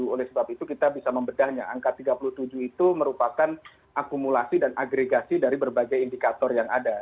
oleh sebab itu kita bisa membedahnya angka tiga puluh tujuh itu merupakan akumulasi dan agregasi dari berbagai indikator yang ada